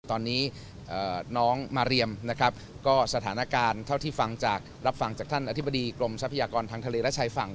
ตอนนี้น้องมาเรียมนะครับก็สถานการณ์เท่าที่ฟังจากรับฟังจากท่านอธิบดีกรมทรัพยากรทางทะเลและชายฝั่ง